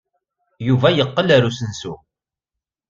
Yuba yeqqel ɣer usensu.